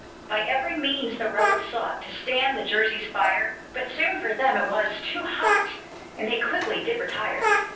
By every means the rebels sought To stand the Jerseys' fire, But soon for them it was too hot, And they quickly did retire.